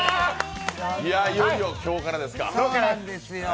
いよいよ今日からですか。